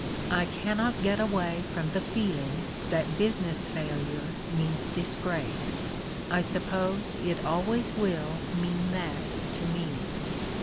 "I cannot get away from the feeling that business failure means disgrace. I suppose it always will mean that to me.